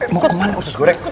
mau kemana khusus goreng